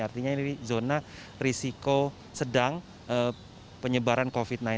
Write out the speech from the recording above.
artinya ini zona risiko sedang penyebaran covid sembilan belas